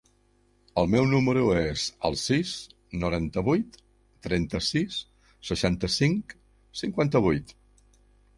El meu número es el sis, noranta-vuit, trenta-sis, seixanta-cinc, cinquanta-vuit.